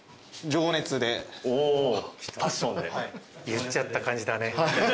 言っちゃった感じだね。